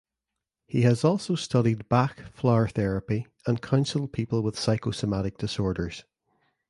He has also studied Bach Flower therapy and counseled people with psychosomatic disorders.